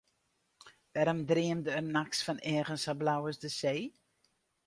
Wêrom dreamde er nachts fan eagen sa blau as de see?